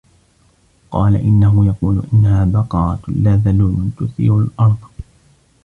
قَالَ إِنَّهُ يَقُولُ إِنَّهَا بَقَرَةٌ لَا ذَلُولٌ تُثِيرُ الْأَرْضَ